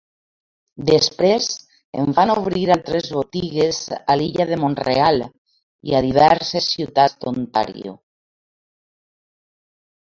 Després es van obrir altres botigues a l'illa de Mont-real, i a diverses ciutats d'Ontario.